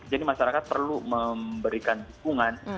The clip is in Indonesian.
jadi masyarakat perlu memberikan dukungan